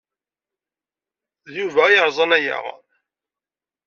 D Yuba ay yerẓan aya.